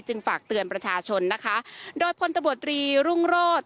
จึงฝากเตือนประชาชนนะคะโดยพลตบวัตรรีรุ่งรอด